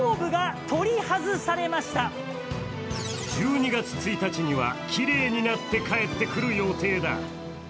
１２月１日には、きれいになって帰ってくる予定だ。